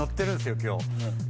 今日。